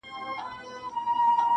د تسو لاسو بدنامۍ خبره ورانه سوله ,